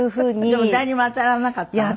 でも誰にも当たらなかったの？